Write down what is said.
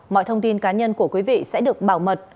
mọi thông tin cá nhân của quý vị sẽ được bảo mật